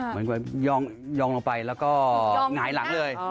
มันก็ย้องลงไปแล้วก็หายหลังเลย